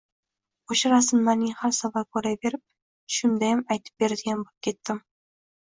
O‘sha rasmlaringni har safar ko‘raverib, tushimdayam aytib beradigan bo‘pketdim